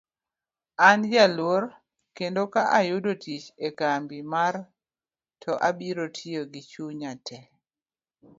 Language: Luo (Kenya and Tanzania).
An jaluor kendo ka ayudo tich e kambi mar to abiro tiyo gichunya te.